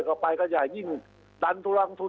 ขอไปกันใหญ่ยิ่งดันต่อไปกันใหญ่